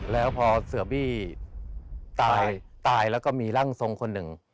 แล้วพอเสือบี้ตายตายแล้วก็มีร่างทรงคนหนึ่ง